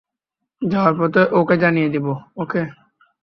যাওয়ার পথে ওকে জানিয়ে দিবো, ওকে?